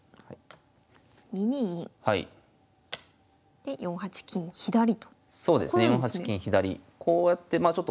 で４八金左と。